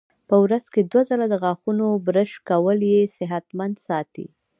په ورځ کې دوه ځله د غاښونو برش کول یې صحتمند ساتي.